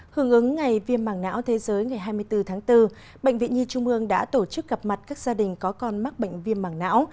hưởng ứng ngày viêm mạng não thế giới ngày hai mươi bốn tháng bốn bệnh viện nhi trung ương đã tổ chức gặp mặt các gia đình có con mắc bệnh viêm mảng não